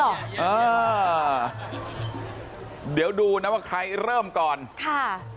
เออเดี๋ยวดูนะว่าใครเริ่มก่อนค่ะ